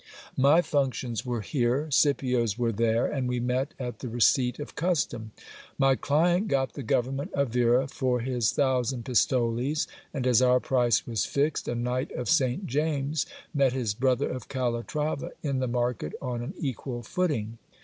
My functions were here, Scipio's were there ; and we met at the receipt of custom. My client got the government of Vera for his thousand pistoles ; and as our price was fixed, a knight of St James met his brother of Calatrava in the market on an equal footing.